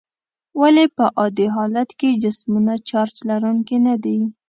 ولې په عادي حالت کې جسمونه چارج لرونکي ندي؟